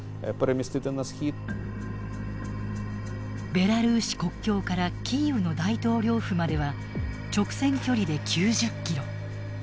ベラルーシ国境からキーウの大統領府までは直線距離で９０キロ。